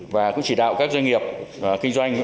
và cũng chỉ đạo các doanh nghiệp kinh doanh